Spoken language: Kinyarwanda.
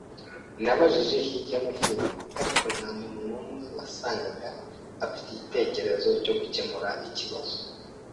Nabajije hirya no hino, ariko ntamuntu numwe wasangaga afite igitekerezo cyo gukemura ikibazo.